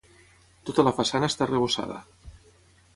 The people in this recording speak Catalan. Tota la façana està arrebossada.